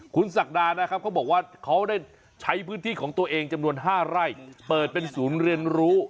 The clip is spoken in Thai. คุณศักดานะครับเขาบอกว่าเขาได้ใช้พื้นที่ของตัวเองจำนวน๕ไร่เปิดเป็นศูนย์เรียนรู้